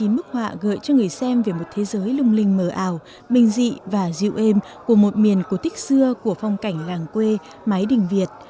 hai mươi bức họa gợi cho người xem về một thế giới lung linh mờ ảo bình dị và dịu êm của một miền cổ tích xưa của phong cảnh làng quê mái đình việt